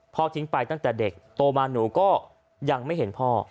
ทิ้งไปตั้งแต่เด็กโตมาหนูก็ยังไม่เห็นพ่อ